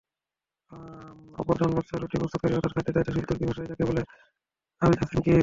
অপরজন বাদশার রুটি প্রস্তুতকারী অর্থাৎ খাদ্যের দায়িত্বশীল—তুর্কী ভাষায় যাকে বলে আলজাশেনকীর।